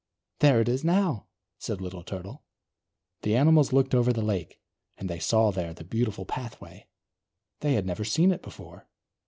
"There it is now," said Little Turtle. The animals looked over the lake, and they saw, there, the beautiful pathway. They had never seen it before.